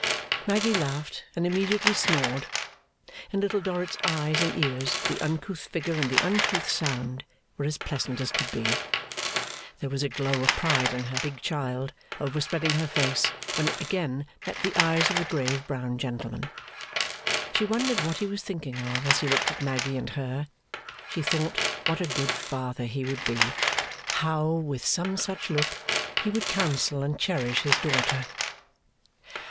Maggy laughed, and immediately snored. In Little Dorrit's eyes and ears, the uncouth figure and the uncouth sound were as pleasant as could be. There was a glow of pride in her big child, overspreading her face, when it again met the eyes of the grave brown gentleman. She wondered what he was thinking of, as he looked at Maggy and her. She thought what a good father he would be. How, with some such look, he would counsel and cherish his daughter.